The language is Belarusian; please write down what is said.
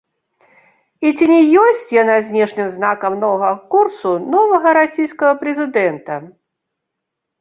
І ці не ёсць яна знешнім знакам новага курсу новага расійскага прэзідэнта?